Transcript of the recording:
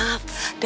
ya udah yaudah